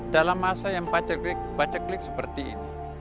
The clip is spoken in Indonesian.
dalam masa yang baca klik seperti ini